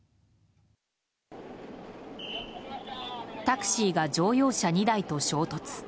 タクシーが乗用車２台と衝突。